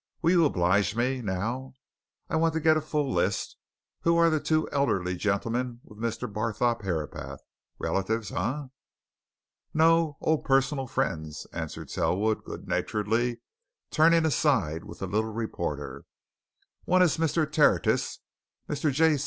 Will you oblige me, now? I want to get a full list. Who are the two elderly gentlemen with Mr. Barthorpe Herapath relatives, eh?" "No old personal friends," answered Selwood, good naturedly turning aside with the little reporter. "One is Mr. Tertius Mr. J.